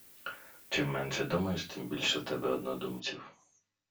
Чим менше думаєш, тим більше в тебе однодумців.